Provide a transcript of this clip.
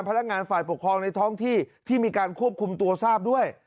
พนักงานฝ่ายปกครองในท้องที่ที่มีการควบคุมตัวทราบด้วย